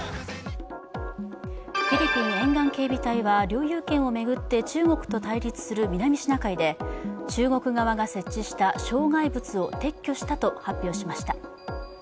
フィリピン沿岸警備隊は領有権を巡って中国と対立する南シナ海で、中国側が設置した障害物を撤去したと発表しました。